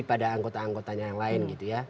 pada anggota anggotanya yang lain gitu ya